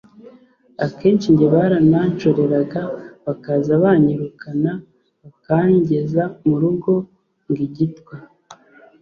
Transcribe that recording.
Akenshi njye barananshoreraga bakaza banyirukana bakangeza mu rugo ngo ‘igitwa